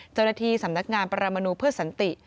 เจ้าหน้าที่สำนักงานปรมนูเพื่อสันติ